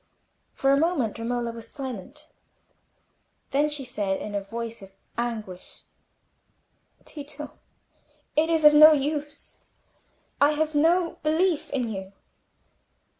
For a moment Romola was silent. Then she said, in a voice of anguish, "Tito, it is of no use: I have no belief in you."